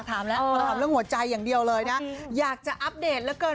คร่างรักเกินนะคะสำหรับไซม์